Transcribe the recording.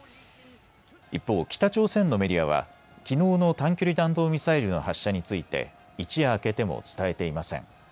一方、北朝鮮のメディアはきのうの短距離弾道ミサイルの発射について一夜明けても伝えていません。